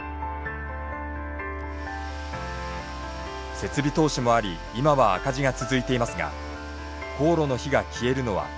設備投資もあり今は赤字が続いていますが高炉の火が消えるのは９月。